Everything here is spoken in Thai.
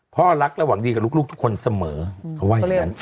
พ่อรักและหวังดีกับลูกทุกคนเสมอเขาว่าอย่างนั้น